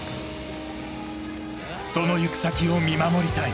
その行く先を見守りたい